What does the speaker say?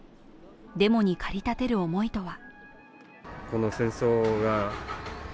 デモに駆り立てる思いとは。